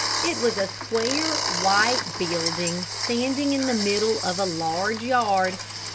It was a square, white building, standing in the middle of a large yard.